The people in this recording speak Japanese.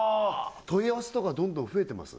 問い合わせとかどんどん増えてます？